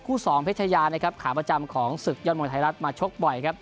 คู่สองเพชรยาขาประจำของศึกยอดมวยไทยรัฐมาชกบ่อย